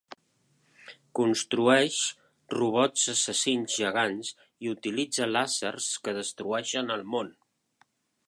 Construeix robots assassins gegants i utilitza làsers que destrueixen el món.